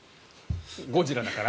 ゴジラだから？